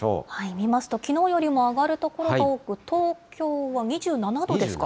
見ますと、きのうよりも上がる所が多く、東京は２７度ですか。